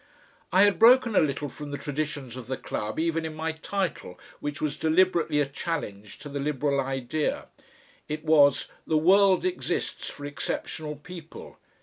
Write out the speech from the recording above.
I had broken a little from the traditions of the club even in my title, which was deliberately a challenge to the liberal idea: it was, "The World Exists for Exceptional People."